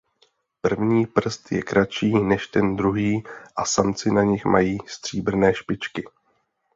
První prst je kratší než ten druhý a samci na nich mají stříbrné špičky.